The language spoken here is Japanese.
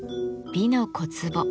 「美の小壺」